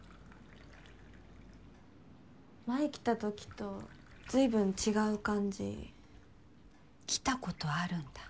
前来たときとずいぶん違う感じ。来たことあるんだ？